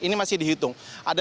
ini masih dihitung